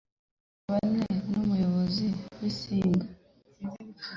cyangwa bane n'umuyobozi w'insinga